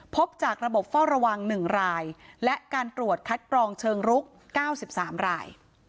พบจากระบบเฝ้าระวัง๑รายและการตรวจคัดกรองเชิงรุก๙๓ราย